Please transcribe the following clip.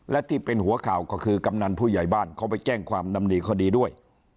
และที่เป็นหัวข่าวก็คือกำนันผู้ใหญ่บ้านเขาไปแจ้งความดำดีคดีด้วย